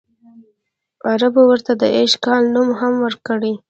عربو ورته د ایش کال نوم هم ورکړی.